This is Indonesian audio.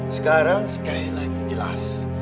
sekarang sekali lagi jelas